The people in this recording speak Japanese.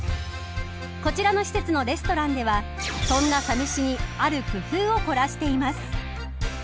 こちらの施設のレストランではそんなサ飯にある工夫を凝らしています。